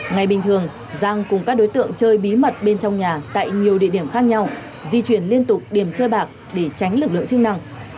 ngày bình thường giang cùng các đối tượng chơi bí mật bên trong nhà tại nhiều địa điểm khác nhau di chuyển liên tục điểm chơi bạc để tránh lực lượng chức năng